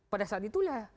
pada saat itulah